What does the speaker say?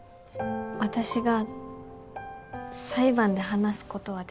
私が裁判で話すことはできますか？